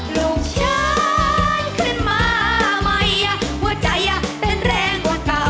ลูกฉันขึ้นมาใหม่หัวใจเต้นแรงเหมือนเก่า